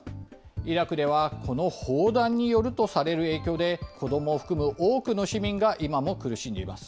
イラクではこの砲弾によるとされる影響で、子どもを含む多くの市民が今も苦しんでいます。